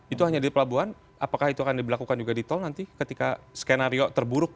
itu hanya di pelabuhan apakah itu akan diberlakukan juga di tol nanti ketika skenario terburuk